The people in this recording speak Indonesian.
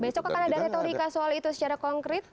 besok akan ada retorika soal itu secara konkret